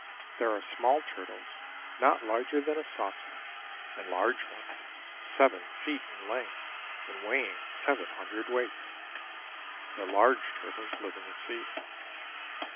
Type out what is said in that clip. There are small turtles, not larger than a saucer, and large ones, seven feet in length and weighing seven hundredweights. The large turtles live in the sea.